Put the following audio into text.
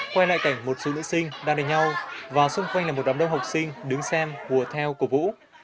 quay lại cảnh một số nữ sinh đang đến nhau và xung quanh là một đám đông học sinh đứng xem hùa theo cổ vũ